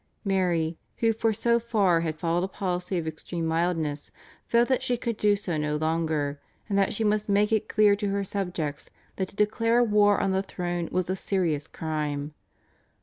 Mary, who for so far had followed a policy of extreme mildness, felt that she could do so no longer, and that she must make it clear to her subjects that to declare war on the throne was a serious crime.